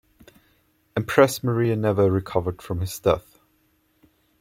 Empress Maria never recovered from his death.